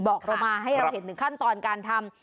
บอกเรามาให้เราเห็นถึงขั้นตอนการทำ